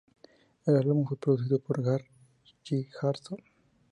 El álbum fue producido por Garth Richardson.